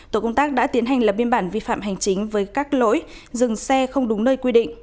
tổ công tác đã tiến hành lập biên bản vi phạm hành chính với các lỗi dừng xe không đúng nơi quy định